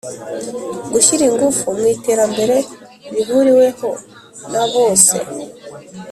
Gushyira ingufu mu iterambere rihuriweho na bose